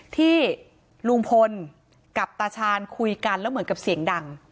ที่ลุงพลกับตาชาญคุยกันแล้วเหมือนกับเสียงดัง